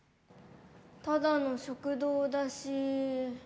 ただの食堂だし。